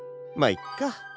まっいっか！